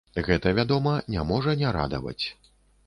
Гэта, вядома, не можа не радаваць.